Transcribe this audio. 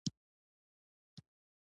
فرشتې هم ژړوي دا ځینې مینې